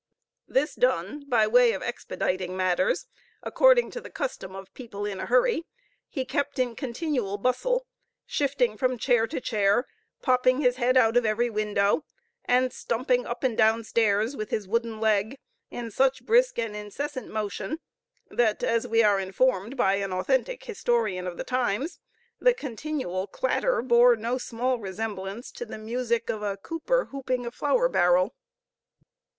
This done, by way of expediting matters, according to the custom of people in a hurry, he kept in continual bustle, shifting from chair to chair, popping his head out of every window, and stumping up and downstairs with his wooden leg in such brisk and incessant motion, that, as we are informed by an authentic historian of the times, the continual clatter bore no small resemblance to the music of a cooper hooping a flour barrel.